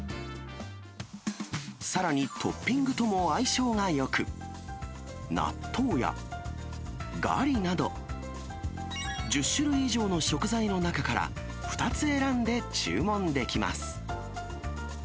さらにトッピングとも相性がよく、納豆やガリなど、１０種類以上の食材の中から、２つ選んで注文できます。